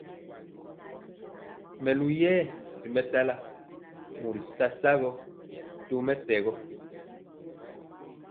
Melu yɛɛ ri mɛsala mɔri sagɔ tɔmɛtɛgɔ.